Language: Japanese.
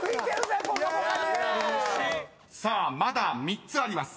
［まだ３つあります］